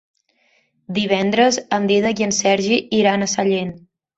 Divendres en Dídac i en Sergi iran a Sallent.